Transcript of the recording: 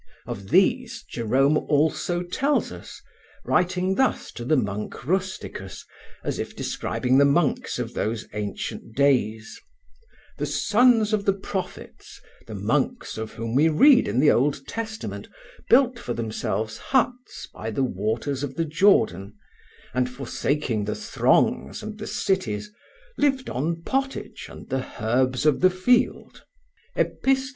Of these Jerome also tells us, writing thus to the monk Rusticus as if describing the monks of those ancient days: "The sons of the prophets, the monks of whom we read in the Old Testament, built for themselves huts by the waters of the Jordan, and forsaking the throngs and the cities, lived on pottage and the herbs of the field" (Epist.